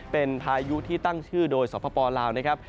เป็นพายุที่ตั้งชื่อโดยสปลาวนะครับ